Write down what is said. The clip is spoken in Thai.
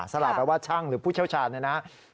สลากแปลว่าช่างหรือผู้เชี่ยวชาญนะครับ